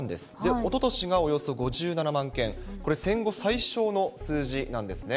おととしが、およそ５７万件、これ、戦後最少の数字なんですね。